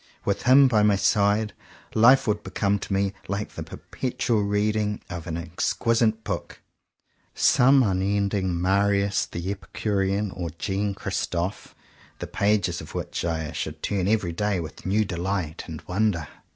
With him by my side, life would become to me like the perpetual reading of an exquisite book — some unending Marius the Epicurean or Jean Christophe — the pages of which I should turn every day with new delight and wonder.